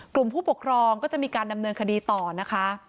ผู้ปกครองก็จะมีการดำเนินคดีต่อนะคะ